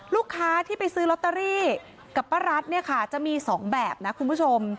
ลูกค้าที่ไปซื้อลอตเตอรี่กับป้ารัฐเนี่ยค่ะจะมี๒แบบนะคุณผู้ชม